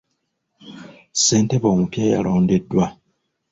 Ssentebe omupya yalondeddwa.